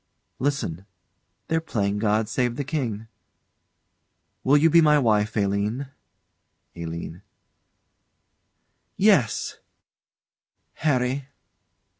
Listen they're playing "God Save the King." Will you be my wife, Aline? ALINE. Yes Harry.